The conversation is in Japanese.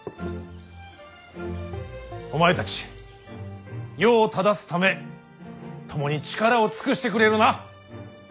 お前たち世を正すため共に力を尽くしてくれるな。